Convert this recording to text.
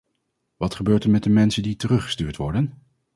Wat gebeurt er met de mensen die teruggestuurd worden?